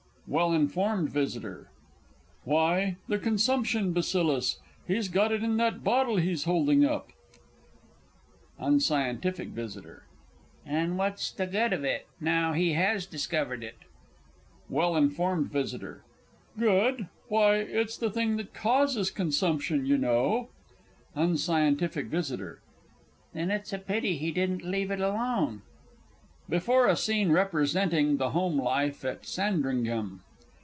WELL INF. V. Why, the Consumption Bacillus. He's got it in that bottle he's holding up. UNSC. V. And what's the good of it, now he has discovered it? WELL INF. V. Good? Why, it's the thing that causes consumption, you know! UNSC. V. Then it's a pity he didn't leave it alone! _Before a Scene representing "The Home Life at Sandringham."